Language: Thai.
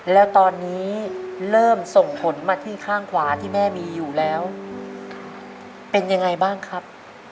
แล้วตอนนี้เริ่มส่งผลมาที่ข้างขวาที่แม่มีอยู่แล้วเป็นยังไงบ้างครับ